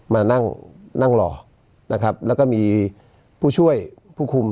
มานั่งนั่งรอนะครับแล้วก็มีผู้ช่วยผู้คุม